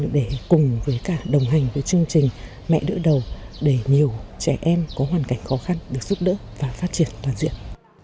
để cùng với cả đồng hành với chương trình mẹ đỡ đầu để nhiều trẻ em có hoàn cảnh khó khăn được giúp đỡ và phát triển toàn diện